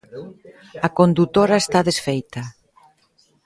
A condutora está desfeita.